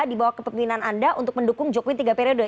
di bawah kepemimpinan anda untuk mendukung jokowi tiga periode